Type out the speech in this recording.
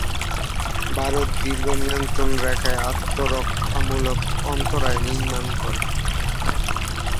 ভারত দীর্ঘ নিয়ন্ত্রণ রেখায় আত্মরক্ষামূলক অন্তরায় নির্মাণ করে।